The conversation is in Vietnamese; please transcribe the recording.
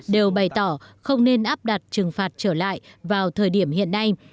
đều bày tỏ không nên áp đặt trừng phạt trở lại vào thời điểm hiện nay